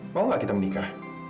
mau gak kita menikah